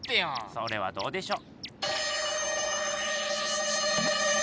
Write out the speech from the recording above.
それはどうでしょう？